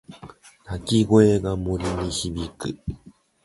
鳴き声が森に響く。